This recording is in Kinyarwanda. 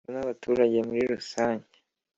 Rubanda nabaturage muri rusange?